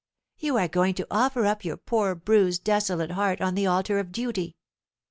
You are going to offer up your poor bruised desolate heart on the altar of duty.